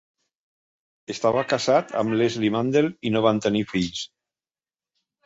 Estava casat amb Leslie Mandel i no van tenir fills.